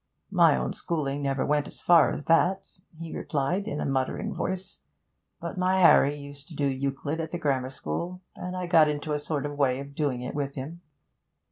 'My own schooling never went as far as that,' he replied, in a muttering voice; 'but my Harry used to do Euclid at the Grammar School, and I got into a sort of way of doing it with him.'